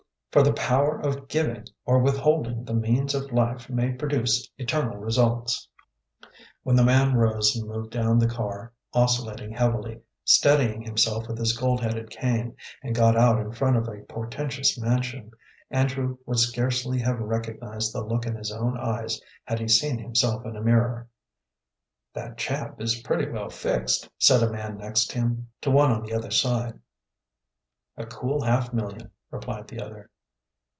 For the power of giving or withholding the means of life may produce eternal results." When the man rose and moved down the car, oscillating heavily, steadying himself with his gold headed cane, and got out in front of a portentous mansion, Andrew would scarcely have recognized the look in his own eyes had he seen himself in a mirror. "That chap is pretty well fixed," said a man next him, to one on the other side. "A cool half million," replied the other.